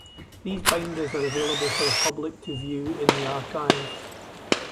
These binders are available for the public to view in the archives.